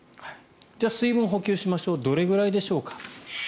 じゃあ、水分補給しましょうどれくらいでしょうか。